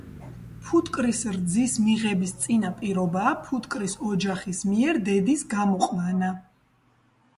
ფუტკრის რძის მიღების წინა პირობაა ფუტკრის ოჯახის მიერ დედის გამოყვანა.